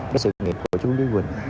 cái sự nghiệp của chú lý huỳnh